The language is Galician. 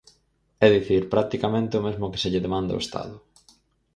É dicir, practicamente o mesmo que se lle demanda ao Estado.